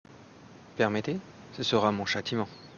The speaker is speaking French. Permettez… ce sera mon châtiment.